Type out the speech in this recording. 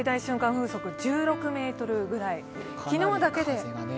風速１６メートルぐらい。